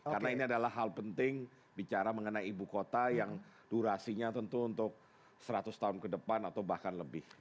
karena ini adalah hal penting bicara mengenai ibu kota yang durasinya tentu untuk seratus tahun ke depan atau bahkan lebih